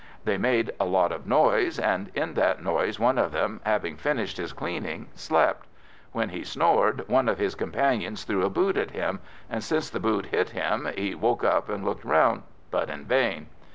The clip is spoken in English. They made a lot of noise, and in that noise one of them, having finished his cleaning, slept; when he snored, one of his comrades threw a boot at him, and, since the boot hit him, he woke up and looked round, but in vain.